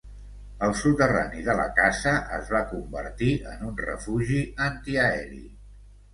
El soterrani de la casa es va convertir en un refugi antiaeri.